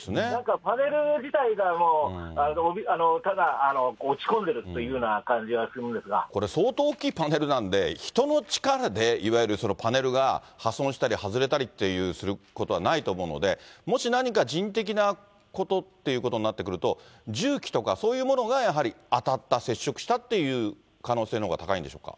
パネル自体がもうただ落ち込んでるっていうような感じがするんでこれ、相当大きいパネルなんで、人の力で、いわゆるそのパネルが破損したり外れたりっていうことはないと思うので、もし何か人的なことっていうことになってくると、重機とかそういうものが、やはり当たった、接触したという可能性のほうが高いんでしょうか。